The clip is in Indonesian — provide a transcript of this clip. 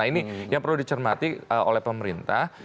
nah ini yang perlu dicermati oleh pemerintah